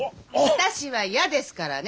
私は嫌ですからね！